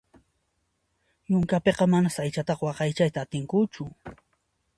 Yunkapiqa manas aychataqa waqaychayta atinkuchu.